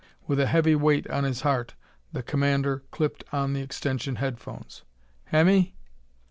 With a heavy weight on his heart the commander clipped on the extension headphones. "Hemmy?"